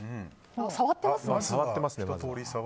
触ってますね。